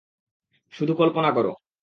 শুধু কল্পনা করো।